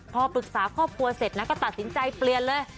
พอปรึกษาครอบครัวเสร็จนะก็ตัดสินใจเปลี่ยนเลย